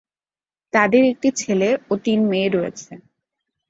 তাঁদের একটি ছেলে ও তিন মেয়ে রয়েছে।